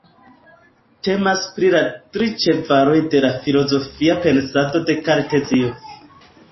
Temas pri la tri ĉevaloj de la filozofia pensado de Kartezio.